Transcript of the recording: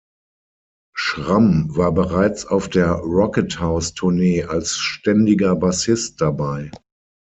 Schramm war bereits auf der „Rocket-House“-Tournee als ständiger Bassist dabei.